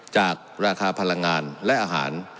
จากราคาพลังงานและอาหาร